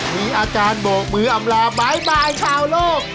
มีอาจารย์โบกมืออำลาบ๊ายบายชาวโลก